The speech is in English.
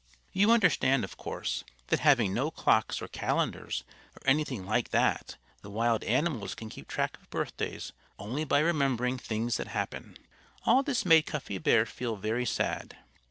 You understand, of course, that having no clocks or calendars or anything like that, the wild animals can keep track of birthdays only by remembering things that happen. All this made Cuffy Bear feel very sad.